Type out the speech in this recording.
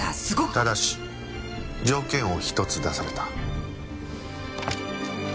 ただし条件を１つ出された。